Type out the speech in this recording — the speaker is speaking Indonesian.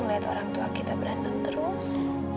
melihat orang tua kita berantem terus